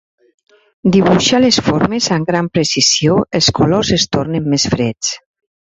Dibuixa les formes amb gran precisió, els colors es tornen més freds.